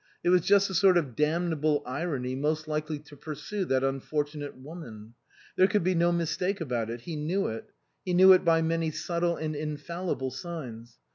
It was just 66 INLAND the sort of damnable irony most likely to pursue that unfortunate woman. There could be no mistake about it ; he knew it ; he knew it by many subtle and infallible signs.